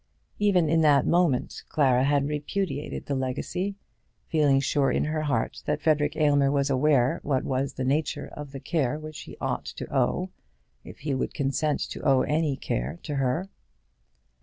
Even in that moment Clara had repudiated the legacy, feeling sure in her heart that Frederic Aylmer was aware what was the nature of the care which he ought to owe, if he would consent to owe any care to her.